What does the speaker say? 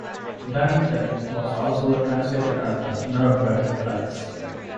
Dunnington was also a translator at the Nuremberg trials.